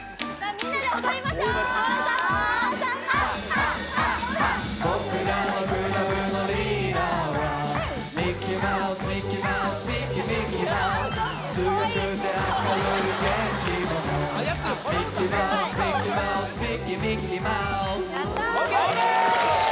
みんなで踊りましょうＯＫＯＫ